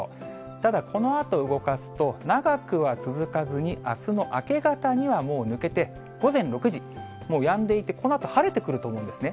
ただ、このあと動かすと、長くは続かずに、あすの明け方にはもう抜けて、午前６時、もうやんでいて、このあと晴れてくると思うんですね。